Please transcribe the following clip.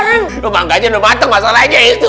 udah bangga aja udah mateng masalahnya itu